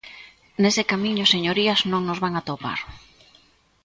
Nese camiño, señorías, non nos van atopar.